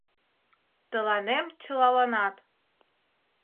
Тыланем чылаланат.